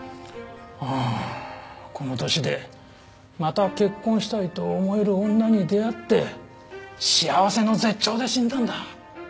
ああこの年でまた結婚したいと思える女に出会って幸せの絶頂で死んだんだ。